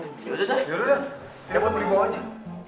yaudah deh yaudah deh cepet muli bawah aja